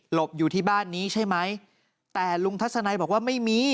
บอยู่ที่บ้านนี้ใช่ไหมแต่ลุงทัศนัยบอกว่าไม่มี